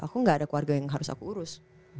aku gak ada keluarga yang harus aku urus